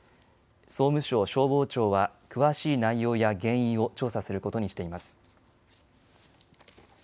総務省消防庁は詳しい内容や原因を調査することにしています。